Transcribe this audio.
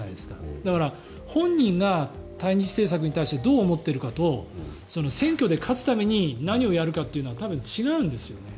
だから、本人が対日政策に対してどう思っているかと選挙で勝つために何をやるかというのは多分違うんですよね。